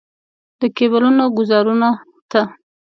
د کیبلونو ګوزارونو ته.